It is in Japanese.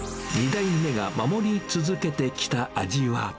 ２代目が守り続けてきた味は。